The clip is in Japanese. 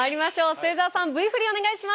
末澤さんＶ振りお願いします。